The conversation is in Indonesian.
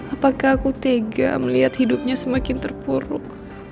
apakah aku tega melihat hidupnya semakin terpuruk